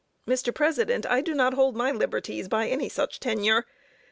Mr. President, I do not hold my liberties by any such tenure.